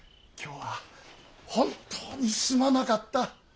今日は本当にすまなかった。